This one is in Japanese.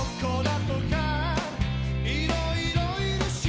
「いろいろいるし」